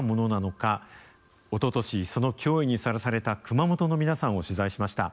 おととしその脅威にさらされた熊本の皆さんを取材しました。